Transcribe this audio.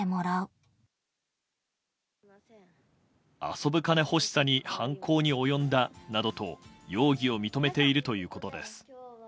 遊ぶ金欲しさに犯行に及んだなどと容疑を認めているということです。